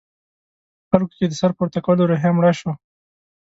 په خلکو کې د سر پورته کولو روحیه مړه شوه.